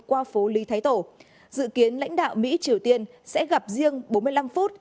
qua phố lý thái tổ dự kiến lãnh đạo mỹ triều tiên sẽ gặp riêng bốn mươi năm phút